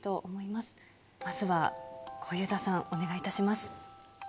まずは小遊三さん、お願いいたし